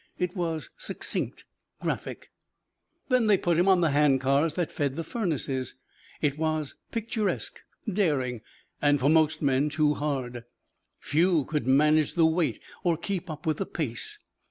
It was succinct, graphic. Then they put him on the hand cars that fed the furnaces. It was picturesque, daring, and for most men too hard. Few could manage the weight or keep up with the pace.